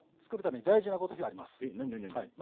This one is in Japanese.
えっ何何何？